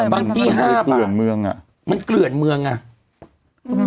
บางที่ห้ามเกลื่อนเมืองอ่ะมันเกลื่อนเมืองอ่ะอืม